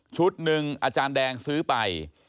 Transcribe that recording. หนึ่งอาจารย์แดงซื้อไป